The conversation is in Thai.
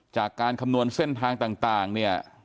จากการคำนวณเส้นทางต่างเนี่ย